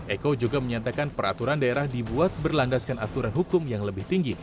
eko juga menyatakan peraturan daerah dibuat berlandaskan aturan hukum yang lebih tinggi